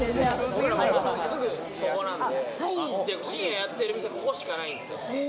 オフィスがすぐそこなんで、深夜やってる店、ここしかないんですよ。